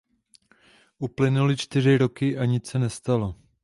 Uplynuly čtyři roky a nic se nestalo.